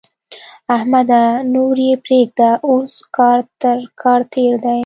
احمده! نور يې پرېږده؛ اوس کار تر کار تېر دی.